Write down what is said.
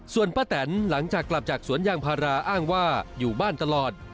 ส่วนป้าแตนหลังจากกลับจากสวนยางพาราอ้างว่าอยู่บ้านตลอด